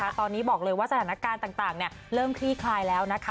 ตอนนี้บอกเลยว่าสถานการณ์ต่างเริ่มคลี่คลายแล้วนะคะ